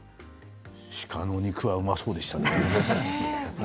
鹿の肉がうまそうでしたね。